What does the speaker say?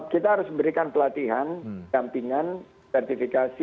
kita harus memberikan pelatihan dampingan sertifikasi